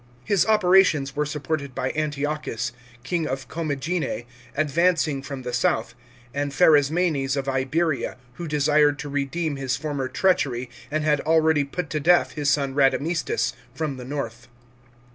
His operations were supported by Antiochus, king of Commagene, advancing from the south, and Pharasmanes of Iberia — who desired to redeem his former treachery and had already put to death his son Badamistus — from the north.